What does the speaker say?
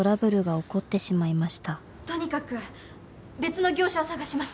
とにかく別の業者を探します。